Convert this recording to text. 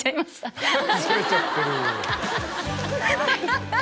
ハハハハハ！